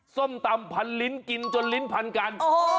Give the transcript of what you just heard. ส้มตำพันลิ้นกินจนลิ้นพันกัน